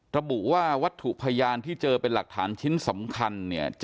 ระบุว่าวัตถุพยานที่เจอเป็นหลักฐานชิ้นสำคัญเนี่ย